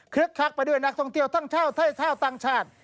เคลือดคักไปด้วยนักทรงเตียวทั้งชาวไทยชาวต่างชาติ